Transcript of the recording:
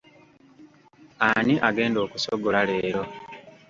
Ani agenda okusogola leero?